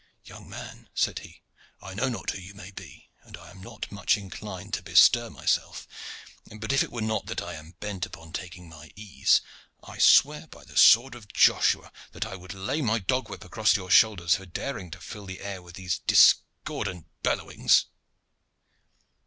"Young man," said he, "I know not who you may be, and I am not much inclined to bestir myself, but if it were not that I am bent upon taking my ease, I swear, by the sword of Joshua! that I would lay my dog whip across your shoulders for daring to fill the air with these discordant bellowings."